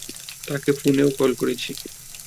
তাকে ফোনে কলও করেছি।